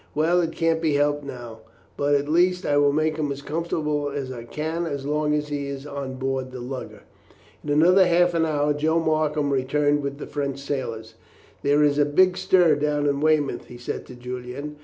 Well, it can't be helped now; but, at least, I will make him as comfortable as I can as long as he is on board the lugger." In another half hour Joe Markham returned with the French sailors. "There is a big stir down in Weymouth," he said to Julian.